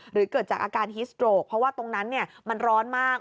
หรือเกิดจากอาการฮิสโตรกเพราะว่าตรงนั้นมันร้อนมาก